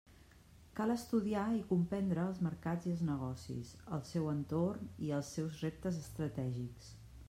Cal estudiar i comprendre els mercats i els negocis, el seu entorn i els seus reptes estratègics.